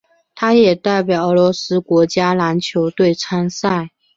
他也代表俄罗斯国家篮球队参赛。